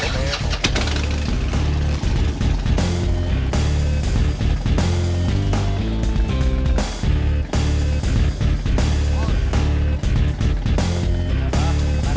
jemut dutup pintu sekalian